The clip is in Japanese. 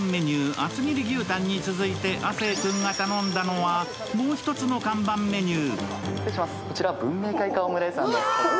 厚切り牛たんに続いて亜生君が頼んだのはもう一つの看板メニュー。